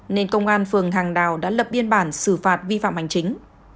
nên công an phường hàng đào đã lập biên bản xử phạt vi phạm hành chính